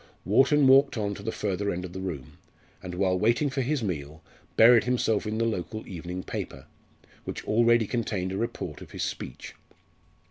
Wharton walked on to the further end of the room, and, while waiting for his meal, buried himself in the local evening paper, which already contained a report of his speech.